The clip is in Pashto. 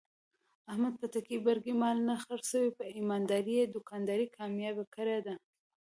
احمد په ټګۍ برگۍ مال نه خرڅوي. په ایماندارۍ یې دوکانداري کامیاب کړې ده.